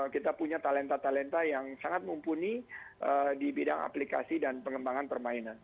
kita punya talenta talenta yang sangat mumpuni di bidang aplikasi dan pengembangan permainan